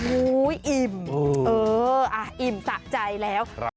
อิ่มเอออิ่มสะใจแล้ว